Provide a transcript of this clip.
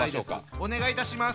お願いいたします！